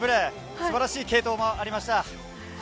素晴らしい継投もあまりました。